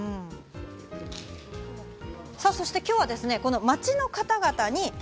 そして今日は、この街の方々に。